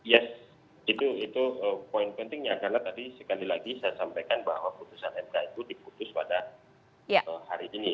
yes itu poin pentingnya karena tadi sekali lagi saya sampaikan bahwa putusan mk itu diputus pada hari ini